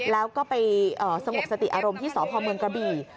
แล้วก็ไปสงบสติอารมณ์ที่สพเมืองกระบี่